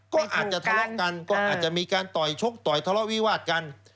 ก็อาจจะทะเลาะกันก็อาจจะมีการต่อยชกต่อยทะเลาะวิวาดกัน